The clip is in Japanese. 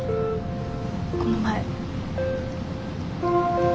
この前。